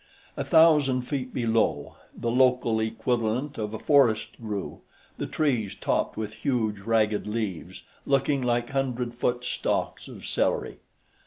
A thousand feet below, the local equivalent of a forest grew, the trees, topped with huge ragged leaves, looking like hundred foot stalks of celery.